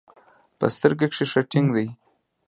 په ستر کښې ښه ټينګ دي.